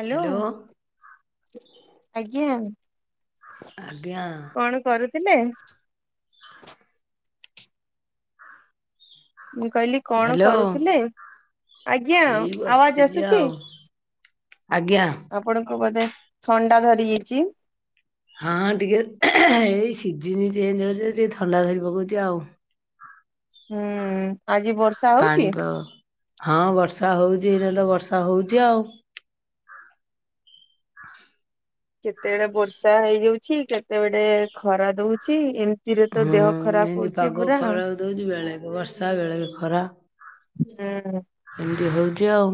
Hello. Hello ଆଜ୍ଞା। କଣ କରୁଥିଲେ? ମୁଁ କହିଲି କଣ ହ୍ୟାଲୋ କରୁଥିଲେ? ଆଜ୍ଞା ଏଇ ଆବାଜ୍ ବସିଥିଲି ଆସୁଚି? ଆଉ। ଆଜ୍ଞା। ଆପଣଙ୍କୁ ବୋଧେ ଥଣ୍ଡା ଧରି ଯାଇଚି। ହଁ ଟିକେ ଏଇ ସିଜିନି ଚେଞ୍ଜ ହଉଚି ଯେ ଟିକେ ଥଣ୍ଡା ଧରି ପକଉଚି ଆଉ। ହୁଁ। ଆଜି ବ ପାଣିପାଗ, ହଁ ବର୍ଷା ହଉଛି ଏଇନେ ତ ବର୍ଷା ହଉଚି ଆଉ। ହ। କେତେବେଳେ ବର୍ଷା ହେଇଯାଉଚି, କେତେ ବଳେ ଖରା ଦଉଚି। ଏମ୍ ହୁଁ ହେନ୍ତି ପାଗ ଖରାପ ଦଉଚି ବେଳେକେ ବର୍ଷା ବେଳେକେ ଖରା। [unintelligible] ଏମିତି ହଉଚି ଆଉ।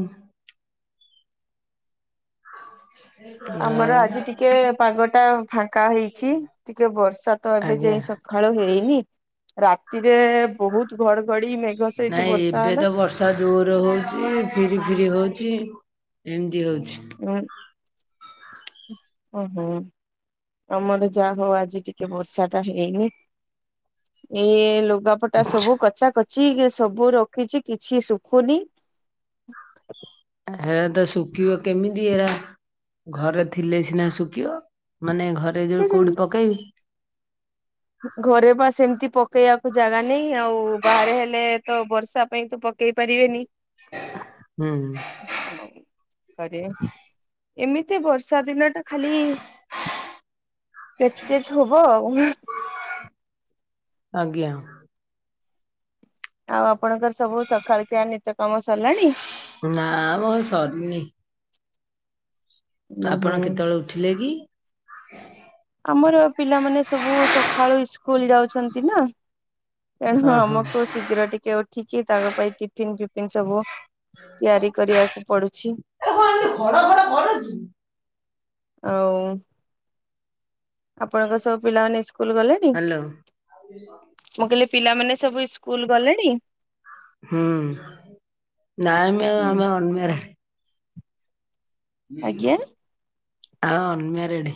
ଆମର ଆଜି ଟିକେ ଆଉ ପାଗ ଟା ଫାଙ୍କା ହେଇଚି। ଟିକେ ବର୍ଷା ତ ଏବେ ଆଜ୍ଞା। ଯାଇ ସ ସଖାଳୁ ହେଇନି। ରାତିରେ ବହୁତ୍ ଘଡଘଡି ମେ ନାଇଁ ଏବେ ତ ବର୍ଷ ର୍ଷା ଜୋର ହଉଚି ଫିରି ଫିରି ହଉଚି ଏମିତି ହଉଚି। [unintelligible] ଓହୋ। ଆମର ଯାହା ହଉ ଆଜି ଟିକେ ବର୍ଷା ଟା ହେଇନି। ଏ ଇଏ ଲୁଗାପଟା ସବୁ କଚା କଚି ସବୁ ରଖିଚି କିଛି ଶୁଖୁନି। ହେରା ତ ସୁକିବ କେମିତି ଏରା ଘରେ ଥିଲେ ସିନା ଶୁଖିବ। ମାନେ ଘରେ ଯୋଉ କୋଉଠି ପକେଇବି। ଘରେ ବା ସେମତି ପକେଇବାକୁ ଜାଗା ନାହିଁ। ଆଉ ବାହାରେ ହେଲେ ତ ବର୍ଷା ପାଇଁ ତ ପ କେଇ ପାରିବେନି। ହୁଁ। ଘରେ ଏମିତି ବର୍ଷା ଦିନ ଟା ଖାଲି କେଚ୍ କେଚ୍ ହବ ଆଉ। ଆଜ୍ଞା। ଆଉ ଆପଣଙ୍କର ସବୁ ସକାଳ ଖିଆ ନିତ୍ୟକାମ ସରିଲାଣି? ନା ମୋର ସରିନି। ଉଁ ହୁଁ ଆପଣ କେତେବେଳେ ଉଠିଲେ କି? ଆମର ପିଲାମାନେ ସବୁ ସକାଳୁ ଇସ୍କୁଲ୍ ଯାଉଛନ୍ତି ନା। ତେଣୁ ହଁ ହଁ ଆମକୁ ଶୀଘ୍ର ଟିକେ ଉ ଠିକି ତାଙ୍କ ପାଇଁ ଟିଫିନ୍ ଫିଫିନ୍ ସବୁ ତିଆରି କରିବାକୁ ପଡୁ ଏରା କଣ ଏମିତି ଘଡ ଘଡ କରୁଚୁ। ଆଉ ଆପଣଙ୍କ ସବୁ ପିଲାମାନେ ଇସ୍କୁଲ୍ ଗଲେଣିି? ହ୍ୟାଲୋ ମୁଁ କହିଲି ପିଲାମାନେ ସବୁ ଇସ୍କୁଲ୍ ଗଲେଣି? ହୁଁ। ନାଇଁ ମ୍ୟାମ୍ ଆମେ ଅନମ୍ୟାରେଡ୍। ଆଜ୍ଞା ହଁ ଅନ୍ମ ରେଡ୍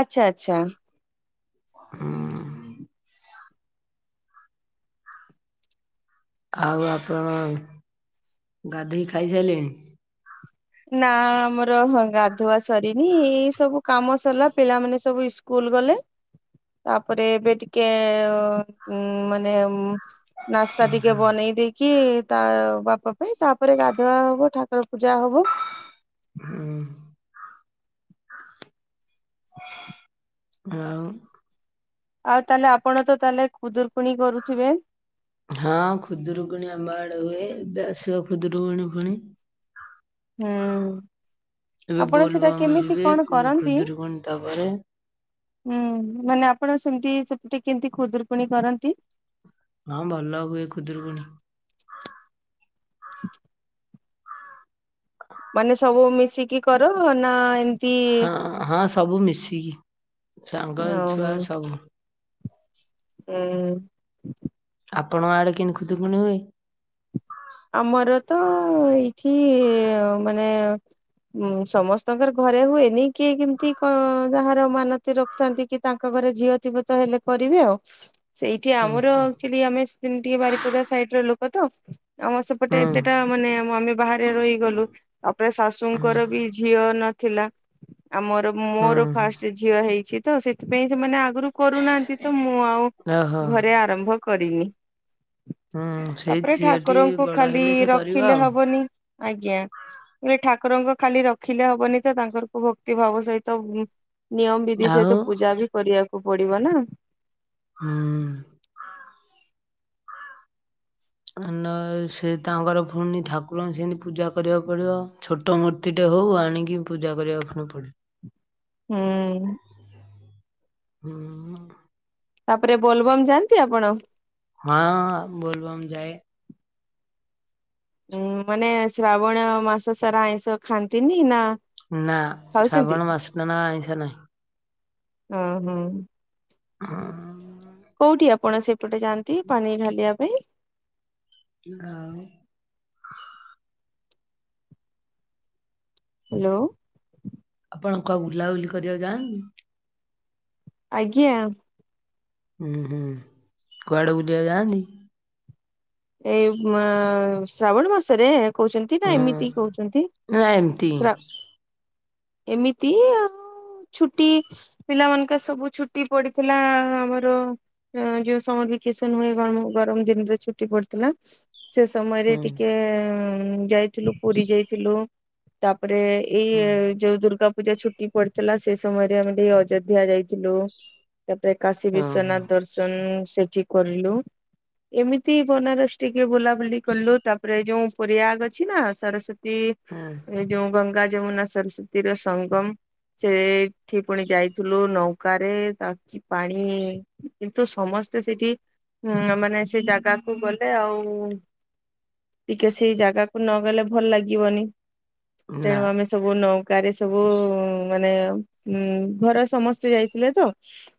ଆଚ୍ଛା ଆଚ୍ଛା ହୁଁ ଆଉ ଆପଣ ଗାଧେଇ କି ଖାଇସାଲେଣି ନା ଆମର ହଁ ଗାଧୁଆ ସରିନି ଏଇ ସବୁ କାମ ସରିଲା ପିଲାମାନେ ତବି ସବୁ ସ୍କୁଲ ଗଲେ ତାପରେ ଏବେ ଟିକେ ମାନେ ନାସ୍ତା ଟିକେ ବନେଇ ଦେଇକି କି ତା ବାପା ପାଇଁ ତାପରେ ଗାଧୁଆ ହବ ଠାକୁର ପୂଜା ହବ ହୁଁ ଆଉ ଆଉ ତାହେଲେ ଆପଣ ତ ତାହେଲେ ଖୁଦୁରୁକୁଣୀ କରୁଥିବେ ହଁ ଖୁଦୁରୁକୁଣି ଆମ୍ବ ଆଡେ ହୁଏ ଏବେ ଆସିବ ଖୁଦୁରୁକୁଣି ପୁଣି ହୁଁ ଏବେ ଆପଣ ସେଟା ବୋଲବମ୍ କେମିତି ଯିବେ କଣ ପୁଣି କରନ୍ତି? ଖୁଦୁରୁକୁଣୀ ତାପରେ ହୁଁ ମାନେ ଆପଣ ସେମିତି ସେପଟେ କେମିତି ଖୁଦୁରୁକୁଣୀ କରନ୍ତି ହଁ ଭଲ ହୁଏ ଖୁଦୁରୁକୁୁଣୀ ମାନେ ସବୁ ମିଶିକି କର ନା ଏ ହଁ ହଁ ସବୁ ମିଶିକି ସାଙ୍ଗ ଓହୋ ଛୁଆ ସବୁ ହୁଁ ଆପଣଙ୍କ ଆଡେ କେମିତି ଖୁଦରୁକୁଣୀ ହୁଏ ଆମର ତ ଏଇଠି ମାନେ ଉଁ ସମସ୍ତଙ୍କର ଘରେ ହୁଏନି କିଏ କେମିତି ଯାହାର କ ମାନତି ର ଥାନ୍ତି କି ତାଙ୍କ ଘରେ ଝିଅ ଥିବେତ ହେଲେ କରିବେ ଆଉ ସେଇଠି ହୁଁ ଆମର ହୁଁ ଆକ୍ଚୁଲି ଆମେ ଟିକେ ବାରିପଦା ସାଇଡ଼ର ଲୋକ ତ ଆମ ସେପଟେ ଏତେଟା ମାନେ ଆ ଆମେ ବାହାରେ ରହିଗଲୁ ତାପରେ ହୁଁ ହୁଁ ଶାଶୁଙ୍କର ବି ଝିଅ ନଥିଲା ଆମର ମୋର ହୁଁ ଫାଷ୍ଟ ଝିଅ ହେଇଛି ତ ସେଥିପାଇଁ ସେମାନେ ଆ ଆଗରୁ କରୁନାହାନ୍ତି ତ ମୁଁ ଆଉ ଓହୋ। ଘରେ ଆରମ୍ଭ କରିନି ହୁଁ ତାପରେ ସେଇଛି ଠାକୁରଙ୍କୁ ଖାଲି ରଖିଲେ ହବନି ଆଜ୍ଞା ଠାକୁରଙ୍କୁ ଖାଲି ରଖିଲେ ହବନି ତ ତାଙ୍କର କ ଭକ୍ତି ଭାବ ସହିତ ନିୟମ ବିଧି ଆଉ ସହିତ ପୂଜା ବି କରିବାକୁ ପଡିବ ନା ହୁଁ ଆ ସେ ତାଙ୍କର ପୁଣି ଠାକୁରଙ୍କୁ ସେମିତି ପୂଜା କରିବାକୁ ପଡ଼ିବ ଛୋଟ ମୋଟ ତିଟେ ହଉ ଆଣିକି ପୂଜା କରିବାକୁ ପୁଣି ପଡ଼ିବ ହୁଁ ହୁଁ ତାପରେ ବୋଲବମ୍ ଯାଆନ୍ତି ଆପଣ ହଁ ବୋଲବମ୍ ଯାଏ ଉଁ ମାନେ ଶ୍ରାବଣ ମାସ ସାରା ଆଇଁଷ ଖାଆନ୍ତିନି ନା ନା ଖାଉଛନ୍ତି? ଶାବଣ ମାସଟ ନା ଆଇଁଷା ନାହିଁ ହୁଁ ହୁଁ ହୁଁ କୋଉଠି ଆପଣ ସେପଟେ ଯାଆନ୍ତି ପାଣି ଢାଲିବା ପାଇଁ ଗାଉ ହ୍ୟାଲୋ। ଆପଣ କଣ ବୁଲାବୁଲି କରିବାକୁ ଯାଆନ୍ତି? ଆଜ୍ଞା। କୁଆଡେ ବୁଲିବାକୁ ଯାଆନ୍ତି? ଏଇ ଶ୍ରାବଣ ମାସରେ? କହୁଛନ୍ତି ନା ହୁଁ ଏମିତି କହୁଛନ୍ତି? ନା ଏମିତି ହୁଁ ଏମିତି ଆଉ ଛୁଟି ପିଲା ମାନଙ୍କ ସବୁ ଛୁଟି ପଡିଥିଲା ଆମର। ଯୋଉ ସମର୍ ଭେକେସନ୍ ହୁଏ ଗମ ଗରମ ଦିନରେ ଛୁଟି ପଡେ। ଥିଲା ସେ ସମୟରେ ଟିକେ ଯାଇ ଥିଲୁ ପୁରୀ ଯାଇଥିଲୁ ତାପରେ ଏଇ ହୁଁ। ଏଵେ ଯୋଉ ଦୁର୍ଗା ପୂଜା ଛୁଟି ପଡିଥିଲା ସେ ସମୟରେ ଆମେ ଟିକେ ଅଯୋଧ୍ୟା ଯାଇଥିଲୁ। ତାପରେ କାଶୀ ଓହୋ ବିଶ୍ଵନାଥ ଦର୍ଶନ ସେଠି କରିଲୁ ଏମିତି ବନାରସ ଟିକେ ବୁଲାବୁଲି କଲୁ ତାପରେ ଯୋଉ ପରଆଗ ଅଛି ନା ସରସ୍ଵତୀ ହୁଁ ଯୋଉ ଗଙ୍ଗା ଯମୁନା ସରସ୍ଵତୀର ସଙ୍ଗମ। ସେଠି ପୁଣି ଯାଇଥିଲୁ ନୌକା ରେ ତାକି ପାଣି କିନ୍ତୁ ସମସ୍ତେ ସେଠିଁ ମାନେ ସେ ଜାଗାକୁ ଗଲେ ଆଉ ଟିକେ ସେଇ ଜାଗାକୁ ନ ଗଲେ ଭଲ ଲାଗିବନି। ନା ତେଣୁ ଆମେ ସ ସବୁ ନୌକାରେ ସବୁ ମାନେ ଉ ଘର ସମସ୍ତେ ଯାଇଥିଲେ ତ।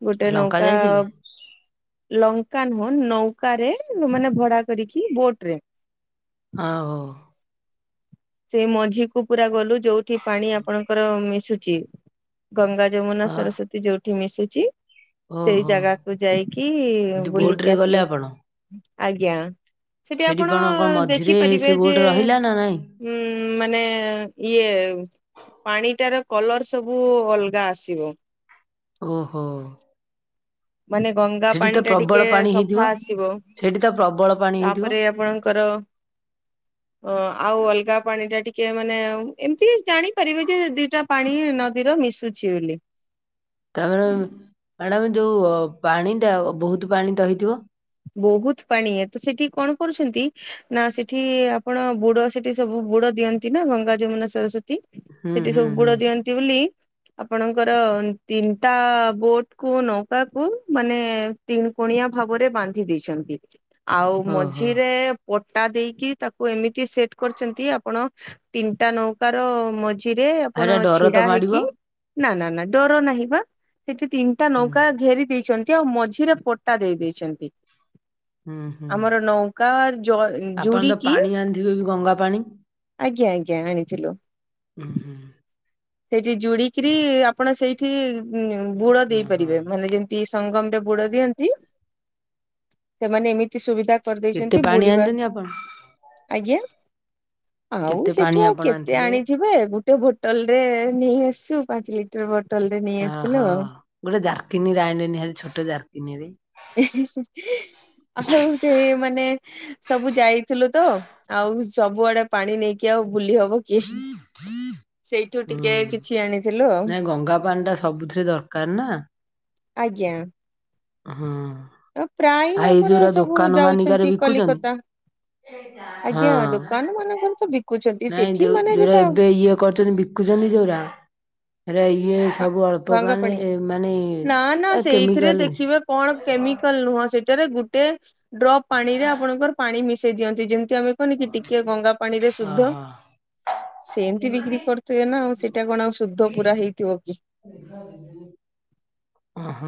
ଗୋଟେ ଲଙ୍କା ନୌକା ଯାଇଥିଲେ ଲଙ୍କା ନୁହଁ ନୌକାରେ ମାନେ ଡା କରିକି ବୋଟ୍ ଆଉ ସେଇ ମଝି କୁ ପୁରା ଗଲୁ ଯୋଉଠି ପାଣି ଆପଣଙ୍କର ମିଶୁଚି। ଗଙ୍ଗା ଯମୁନା ଅ ସରସ୍ଵତୀ ଯୋଉଠି ମିଶୁଚି। ସେଇ ଓହୋ ଜାଗାକୁ ଯାଇକି ସେଠି ବୋଟ ରେ ବୁଲିକି ଗଲେ ଆସିଲୁ। ଆପଣ? ଆଜ୍ଞା ସେଠି ଆପଣ ଦେଖିପାରିବେ ଯେ ନଁ [inaudible] ହୁଁ ମାନେ ଇଏ ପାଣିଟାର କଲର୍ ସବୁ ଅଲଗା ଆସିବ। ଓହୋ। ମାନେ ଗଙ୍ଗା ସେଠି ତ ପାଣି ଟା ପ୍ରବଳ ଟିକେ ପାଣି ହେଇଥିବ ସଫା ଆସିବ। ସେଠି ତ ପ୍ରବଳ ପାଣି ହେଇଥିବ ତାପରେ ଆପଣଙ୍କର ହଁ ଆଉ ଅଲଗା ପାଣି ଟା ଟିକେ ମାନେ ଏମିତି ଜାଣିପାରିବେ ଯେ ଦିଟା ପାଣି ନଦୀର ମିଶୁଛି ବୋଲି। ତା ପରେ ମ୍ୟାଡାମ୍ ଯୋଉ ପାଣି ଟା ବୋହୁତ ପାଣି ତ ହେଇ ବହୁତ ପାଣି ଏ ତ ସେଠି କଣ କରୁଛନ୍ତି ନା ସେଠି ଆପଣ ବୁଡ ସେଠି ସବୁ ବୁଡ ଦିଅନ୍ତି ନା ଗଙ୍ଗା ଯମୁନା ସରସ୍ଵତୀ। ହୁଁ ସେଠି ହୁଁ ସବୁ ହୁଁ। ବୁଡ ଦିଅନ୍ତି ବୋଲି ଆପଣଙ୍କର ତିନିଟା ବୋଟ୍ କୁ ନୌକା କୁ ମାନେ ତିନି କୋଣିଆ ଭାବରେ ବାନ୍ଧି ଦେଇଛନ୍ତି ଆଉ ଓହୋ ମଝିରେ ପଟା ଦେଇକି ତାକୁ ଏମିତି ସେଟ୍ କରିଛନ୍ତି ଆପଣ ତିନିଟା ନୌକାର ର ମଝି- ରେ ଏଟା ଆପଣ ଡର ଛିଡା ତ ମାଡିବ? ହେଇକି ନା ନା ନା ଡର ନାହିଁ ବା ସେଠି ତିନିଟା ହୁଁ ନୌକା ଘେରି ଦେଇଛନ୍ତି। ଆଉ ମଝିରେ ପଟା ଦେଇ ଦେଇଛନ୍ତି ହୁଁ ହୁଁ ଆମର ନୌକା ଜ ଆପଣ ତ ଯୁଡିକି ପାଣି ଆଣିଥିବେ ବି ଗଙ୍ଗା ପାଣି। ଆଜ୍ଞା ଆଜ୍ଞା ଆଣିଥିଲୁ। ହୁଁ ହୁଁ। ସେଇଠି ଯୁଡିକିରି ଆପଣ ସେଇଠି ବୁଡ ଦେଇ ଓହୋ ପାରିବେ ମାନେ ଯେମି- ତି ସଙ୍ଗମରେ ବୁଡ ଦିଅନ୍ତି ସେମାନେ ଏମିତି ସୁବିଧା କେତେ କରିଦେଇଛନ୍ତି ପାଣି ବୁଡିବା ଆଣିଛନ୍ତି ଆପଣ ଆଜ୍ଞା। ଆଉ କେତେ ପାଣି ସେଠୁ ଆଉ ଆପଣ କେତେ ଆଣିଥିଲେ? ଆଣିଥିବେ ଗୋଟେ ବୋଟଲ ରେ ନେଇ ଆସିଛୁ ପାଞ୍ଚ ଲି- ଟର ବୋଟଲରେ ନେଇ ଆସିଥିଲୁ ଓହୋ ଆଉ। ଗୋଟେ ଜାରକିନୀରେ ଆଣିଲେନି ହାରି ଛୋଟ ଜାରକିନି ରେ। ହ ଆଉ ସେଇ ମାନେ ସବୁ ଯାଇଥିଲୁ ତ ଆଉ ସବୁଆଡେ ପାଣି ନେଇକି ଆଉ ବୁଲି ହବ କି। ସେଇଠୁ ହୁଁ। ଟିକେ କିଛି ଆଣିଥିଲୁ ଆଉ ନାଇଁ ଗଙ୍ଗା ପାଣି ଟା ସବୁଥିରେ ଆଜ୍ଞା। ହୁଁ ଅ, ପ୍ରାୟ ଆ ଏଇ ଆମର ଯୋଉର ସବୁ ଦୋକାନ ମାନିକାରେ ଯାଉଛନ୍ତି କଲିକତା। ବିକୁଛନ୍ତି। ହଁ ଆଜ୍ଞା ଦୋକାନ ମାନଙ୍କରେ ତ ବିକୁଛନ୍ତି ନାଇଁ ସେଠି ଯୋଉ ମାନେ ଯୋଉରା ଯଟା ଏବେ ଇଏ କରୁଛନ୍ତି ବି - କୁଛନ୍ତି ଯୋଉରା। ଏରା ଇଏ ସବୁ ଅଳ୍ପ ପାଣି ମାନେ ନା ନା ଏ ସେଇଥିରେ କେମିକାଲ ମି - ଦେଖିବେ କଣ କେମିକାଲ ନୁହଁ ସେଟାରେ ଗୁଟେ ଡ୍ରପ୍ ପାଣି ରେ ଆପଣଙ୍କର ପାଣି ମିଶେଇ ଦିଅନ୍ତି ଯେମିତି ଆମେ କହନି କି ଟିକେ ଗଙ୍ଗା ପାଣିରେ ଶୁଧ। ଓହୋ ସେମିତି ବିକ୍ରି କରୁଥିବେ ନା ଆଉ ସେଇଟା କଣ ଆଉ ଶୁଦ୍ଧ ପୁରା ହେଇଥିବ। କି ଦେଖା ହଉଛି ଯେ। ହଁ।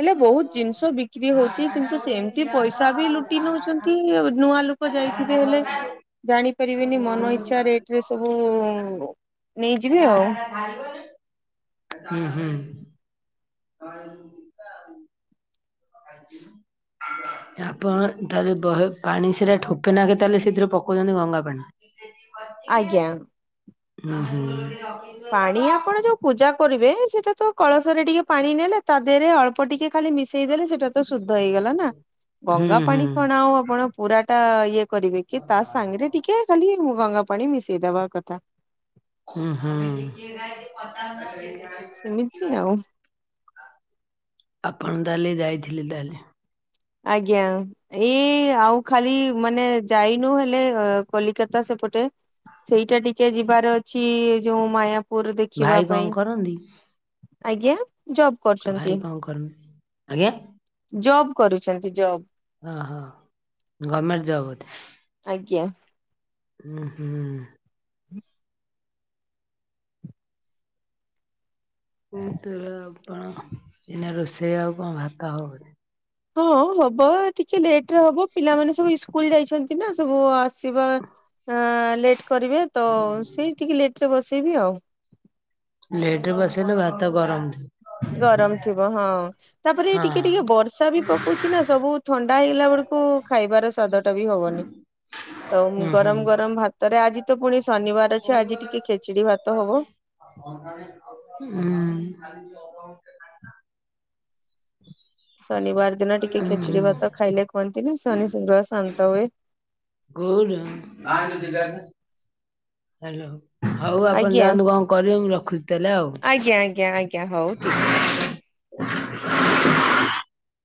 ହେଲେ ବହୁତ ଜିନିଷ ବିକ୍ରି ହଉଛି କିନ୍ତୁ ସେମିତି ପଇସା ବି ଲୁଟି ନଉଛନ୍ତି ନୂଆ ଲୋ - ଲୋକ ଯାଇଥିବେ ହେଲେ। ଜାଣିପାରିବେନି ମନ ଇଚ୍ଛା ରେଟ ରେ ସବୁ ନେଇଯିବେ ଆଉ। ହୁଁ ହୁଁ। ଆଳୁ। ଆ ଯିବୁ। ଆପଣ ତାହେଲେ ବହେ ପାଣି ସେଟା ଠୋପେ ନାଖେ ତାହେଲେ ସେଥିରେ ପକଉଛନ୍ତି ଗଙ୍ଗାପାଣି। କି ସେମିତି କରୁଛି ଯେ ଆଜ୍ଞା। ହୁଁ ହୁଁ। ପାଣି ଆ - ଆପଣ ଯୋଉ ପୂଜା କରିବେ ସେଇଟା ତ କଳସରେ ଟିକେ ପାଣି ନେଲେ ତା ଦେହରେ ଅଳ୍ପ ଟିକେ ଖାଲି ମିଶେଇ ଦେଲେ ସେଇଟା। ତ ଶୁଦ୍ଧ ହେଇଗଲା ନା ହୁଁ ଗଙ୍ଗା ପାଣି। କଣ ହୁଁ ଆଉ ଆପଣ ପୁରା ଟା ଇଏ କରିବେ କି ତା ସାଙ୍ଗରେ ଟିକେ ଖାଲି ଟିକେ ଗଙ୍ଗା ପାଣି ମିଶେଇଦବା କଥା ହୁଁ ହୁଁ। ସେମିତି ଆଉ। ଆପଣ ତାହେଲେ ଯାଇଥିଲେ ତାହେଲେ। ଆଜ୍ଞା। ଏଇ ଆଉ ଖାଲି ମାନେ ଯାଇନୁ ହେଲେ କଲିକତା ସେପଟେ। ସେଇଟା ଟିକେ ଯିବାର ଅଛି ଯୋଉ ମାୟାପୁର ଦେଖିବା ଭାଇ କଣ ପାଇଁ। କରନ୍ତି ଆଜ୍ଞା ଜବ ଭାଇ କଣ କରନ୍ତି ଆଜ୍ଞା। ଜବ୍ କରୁଛନ୍ତି ଜବ୍। ଓହୋ ଗମେଣ୍ଟ ଜବ ବୋଧେ? ଆଜ୍ଞା। ହୁଁ ହୁଁ। ହୁଁ [unintelligible] ଆପଣ ଏଇନେ ରୋଷେଇ ଆଉ କଣ ଭାତ ହବ ବୋଧେ? ହଁ ହବ ଟିକେ ଲେଟରେ ହବ। ପିଲାମାନେ ସବୁ ଇସ୍କୁଲ ଯାଇଛନ୍ତି ନା ସବୁ ଆସିବା ଏଁ ଲେଟ୍ କରିବେ ତ ସିଇ ଟିକେ ଲେଟ ରେ ବସେଇବି ଆଉ। ଲେଟରେ ବସେଇଲେ ଭାତ ଗରମ। ଗରମ ଥିବ ହଁ। ତାପରେ ହଁ ଟିକେ ଟିକେ ବର୍ଷା ବି ପକଉଚି ନା ସବୁ ଥଣ୍ଡା ହେଇଗଲା ବେଳକୁ ଖାଇବାର ସ୍ଵାଦ [unintelligible] ହବନି ତ ହୁଁ ହୁଁ। ଗରମ ଗରମ ଭା ତାରେ ଆଜି ତ ପୁଣି ଶନିବାର ଅଛି। ଆଜି ଟିକେ ଖେଚିଡି ଭାତ ହବ। ହୁଁ। ଶନିବାର ଦିନ ଟିକେ ହୁଁ ଖିଚିଡି ହୁଁ ଭାତ ଖାଇଲେ କୁହନ୍ତି ନା ଶନି [unintelligible] ଶାନ୍ତ ହୁଏ। କ [unintelligible] ହ୍ୟାଲୋ। ହଉ ଆପଣ ଆଜ୍ଞା। ଯାଆନ୍ତୁ କଣ କରିବେ ମୁଁ ରଖୁଛି ତାହେଲେ ଆଉ। ଆଜ୍ଞ ଆଜ୍ଞ ଆଜ୍ଞା ହଉ। ଠିକ୍ ଅଛି।